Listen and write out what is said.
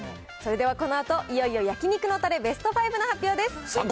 それではこのあと、いよいよ焼肉のたれベスト５の発表です。